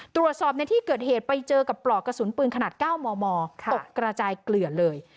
ตรวจสอบในที่เกิดเหตุไปเจอกับปลอกกระสุนปืนขนาด๙มมตกกระจายเกลือเลย